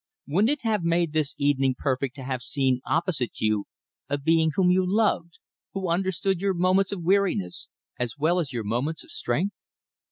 Wouldn't it have made this evening perfect to have seen opposite you a being whom you loved, who understood your moments of weariness, as well as your moments of strength?"